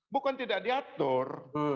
bukan tidak diatur